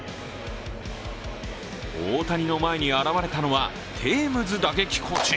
大谷の前に現れたのはテームズ打撃コーチ。